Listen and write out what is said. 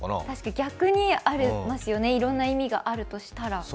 逆にありますよね、いろいろな意味があるとしたら。